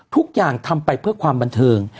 ทุกอย่างทำไปเพื่อความบันเทิง